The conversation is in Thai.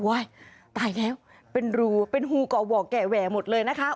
ตายแล้วเป็นรูเป็นฮูก่อวอกแก่แหวหมดเลยนะคะ